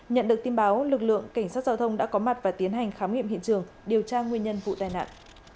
nhận được tin báo lực lượng cảnh sát giao thông đã có mặt và tiến hành khám nghiệm hiện trường điều tra nguyên nhân vụ tai nạn